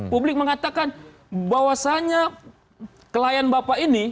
publik mengatakan bahwasannya klien bapak ini